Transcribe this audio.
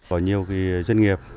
có nhiều cái doanh nghiệp